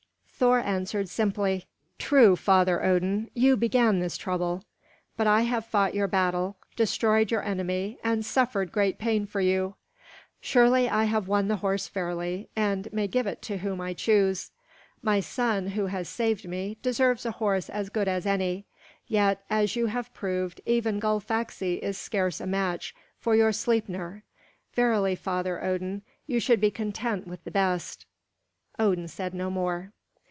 Thor answered simply, "True, Father Odin, you began this trouble. But I have fought your battle, destroyed your enemy, and suffered great pain for you. Surely, I have won the horse fairly and may give it to whom I choose. My son, who has saved me, deserves a horse as good as any. Yet, as you have proved, even Gullfaxi is scarce a match for your Sleipnir. Verily, Father Odin, you should be content with the best." Odin said no more.